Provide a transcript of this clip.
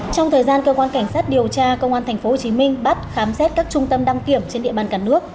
trong thời gian cơ quan cảnh sát điều tra công an tp hcm bắt khám xét các trung tâm đăng kiểm trên địa bàn cả nước